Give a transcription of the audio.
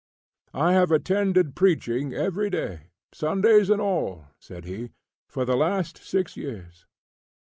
"I have attended preaching every day, Sundays and all," said he, "for the last six years.